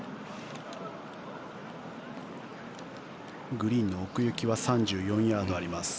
グリーンの奥行きは３４ヤードあります。